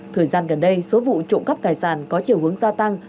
thời gian gần đây số vụ trộm cắp tài sản có chiều hướng gia tăng